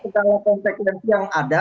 menerima segala konsekuensi yang ada